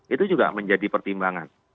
itu juga menjadi pertimbangan